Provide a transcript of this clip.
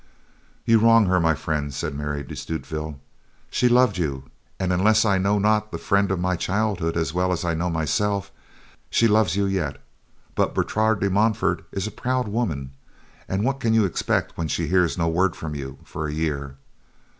"You wrong her, my friend," said Mary de Stutevill. "She loved you and, unless I know not the friend of my childhood as well as I know myself, she loves you yet; but Bertrade de Montfort is a proud woman and what can you expect when she hears no word from you for a year?